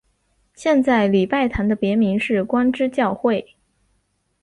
现在礼拜堂的别名是光之教会。